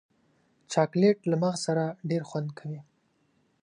چاکلېټ له مغز سره ډېر خوند کوي.